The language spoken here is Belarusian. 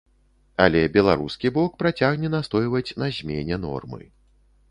Але беларускі бок працягне настойваць на змене нормы.